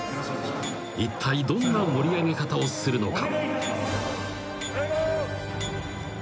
［いったいどんな盛り上げ方をするのか？］